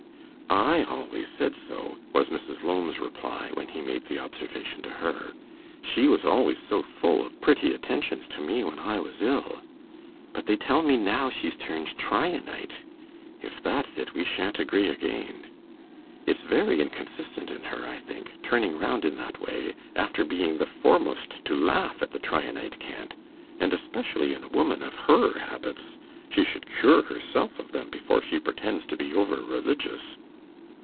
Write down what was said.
'I always said so,' was Mrs. Lowme's reply, when he made the observation to her; 'she was always so very full of pretty attentions to me when I was ill. But they tell me now she's turned Tryanite; if that's it we shan't agree again. It's very inconsistent in her, I think, turning round in that way, after being the foremost to laugh at the Tryanite cant, and especially in a woman of her habits; she should cure herself of them before she pretends to be over religious.